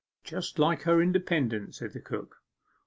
'Just like her independence,' said the cook.